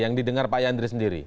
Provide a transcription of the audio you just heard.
yang didengar pak yandri sendiri